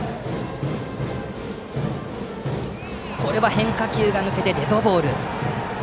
変化球が抜けてデッドボール。